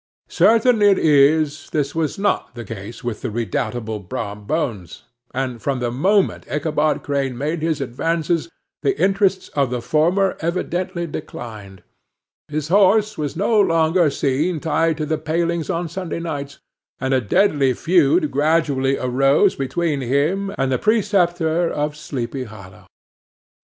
Certain it is, this was not the case with the redoubtable Brom Bones; and from the moment Ichabod Crane made his advances, the interests of the former evidently declined: his horse was no longer seen tied to the palings on Sunday nights, and a deadly feud gradually arose between him and the preceptor of Sleepy Hollow.